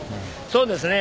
そうですね。